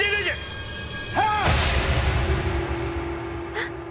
えっ？